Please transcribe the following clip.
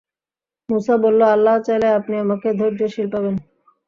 মূসা বলল, আল্লাহ চাইলে আপনি আমাকে ধৈর্যশীল পাবেন।